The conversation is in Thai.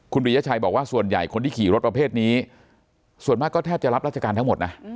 คุณปริยชัยบอกว่าส่วนใหญ่คนที่ขี่รถประเภทนี้ส่วนมากก็แทบจะรับราชการทั้งหมดนะ